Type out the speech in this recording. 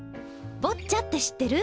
ボッチャって知ってる？